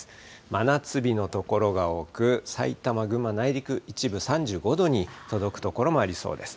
真夏日の所が多く、埼玉、群馬、内陸、一部、３５度に届く所もありそうです。